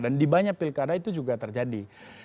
dan di banyak pilkada itu juga terjadi